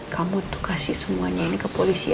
kamu tuh kasih semuanya ini ke polisi